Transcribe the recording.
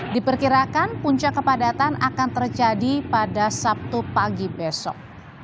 diperkirakan puncak kepadatan akan terjadi pada sabtu pagi besok